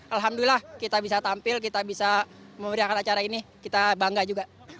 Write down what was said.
alhamdulillah kita bisa tampil kita bisa memberikan acara ini kita bangga juga